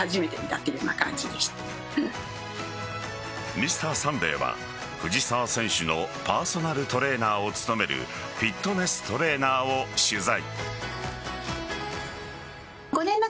「Ｍｒ．サンデー」は藤澤選手のパーソナルトレーナーを務めるフィットネストレーナーを取材。